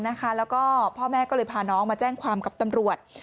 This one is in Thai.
แล้วก็พ่อแม่ก็เลยพาน้องมาแจ้งความกับตำรวจ